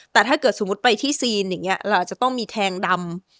แต่ถ้าเกิดสมมุติไปที่ซีนอย่างนี้เราอาจจะต้องมีแทงดำ